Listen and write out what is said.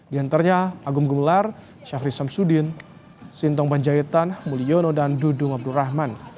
di antarnya agung gumlar syafri samsudin sintong panjaitan mulyono dan dudung abdul rahman